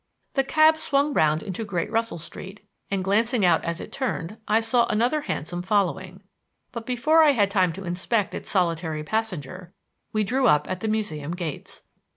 The cab swung round into Great Russell Street, and, glancing out as it turned, I saw another hansom following; but before I had time to inspect its solitary passenger, we drew up at the Museum gates.